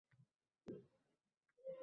Qanday dori-darmonlar qabul qilgansiz?